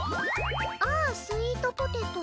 「ああ、スイートポテト。」